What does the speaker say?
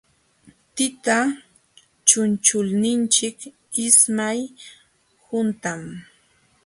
Tita chunchulninchik ismay huntam.